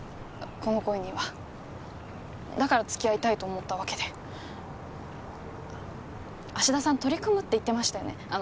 この恋にはだから付き合いたいと思ったわけで芦田さん取り組むって言ってましたよね